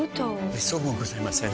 めっそうもございません。